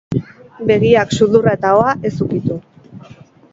Begiak, sudurra eta ahoa ez ukitu.